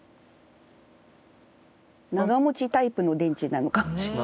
長持ちタイプの電池なのかもしれない。